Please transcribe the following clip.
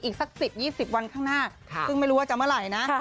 อีกสัก๑๐๒๐วันข้างหน้าซึ่งไม่รู้ว่าจะเมื่อไหร่นะ